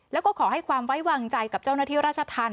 แล้วก็ขอให้ความไว้วางใจกับเจ้าหน้าที่ราชธรรม